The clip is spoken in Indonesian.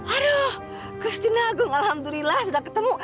aduh gusti nagung alhamdulillah sudah ketemu